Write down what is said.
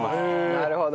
なるほど。